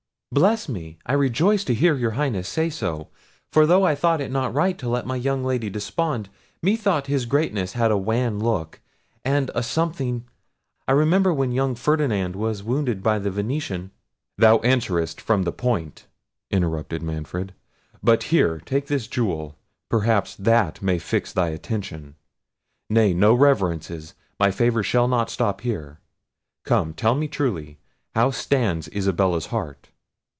"Bless me, I rejoice to hear your Highness say so; for though I thought it not right to let my young Lady despond, methought his greatness had a wan look, and a something—I remember when young Ferdinand was wounded by the Venetian—" "Thou answerest from the point," interrupted Manfred; "but here, take this jewel, perhaps that may fix thy attention—nay, no reverences; my favour shall not stop here—come, tell me truly; how stands Isabella's heart?"